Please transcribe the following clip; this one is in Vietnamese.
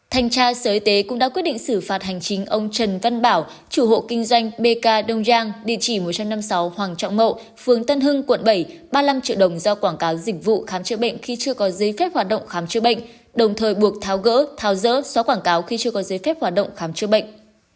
thành tra sở y tế cũng đã quyết định xử phạt hành chính ông trần văn bảo chủ hộ kinh doanh bk đông giang địa chỉ một trăm năm mươi sáu hoàng trọng mậu phường tân hưng quận bảy ba mươi năm triệu đồng do quảng cáo dịch vụ khám chữa bệnh khi chưa có giấy phép hoạt động khám chữa bệnh đồng thời buộc tháo gỡ tháo rỡ xóa quảng cáo khi chưa có giấy phép hoạt động khám chữa bệnh